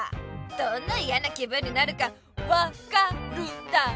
どんないやな気分になるか分かるだろ！